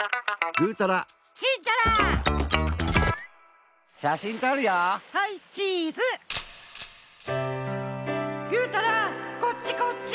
ぐうたらこっちこっち！